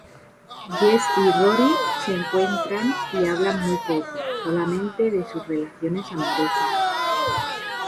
Jess y Rory se encuentran y hablan muy poco, solamente de sus relaciones amorosas.